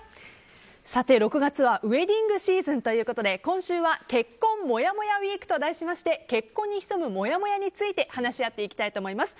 ６月はウェディングシーズンということで今週は結婚もやもやウィークと題しまして結婚に潜むもやもやについて話し合っていきたいと思います。